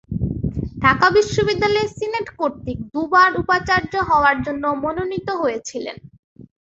ঢাকা বিশ্ববিদ্যালয়ের সিনেট কর্তৃক দুবার উপাচার্য হওয়ার জন্য মনোনীত হয়েছিলেন।